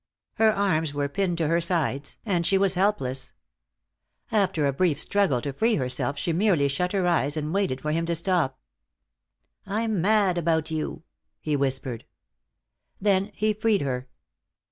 Her arms were pinned to her sides, and she was helpless. After a brief struggle to free herself she merely shut her eyes and waited for him to stop. "I'm mad about you," he whispered. Then he freed her.